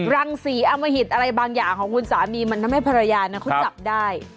รังศรีอมหิตอะไรบางอย่างของคุณสามีมันทำให้ภรรยานั้นเขาจับได้